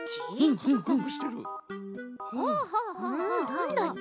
なんだち？